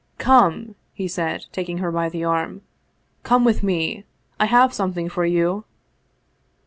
" Come !" he said, taking her by the arm. " Come with me ! I have something for you